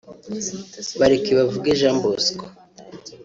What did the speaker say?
Barekebavuge Jean Bosco